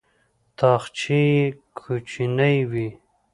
تاخچې یې کوچنۍ وې.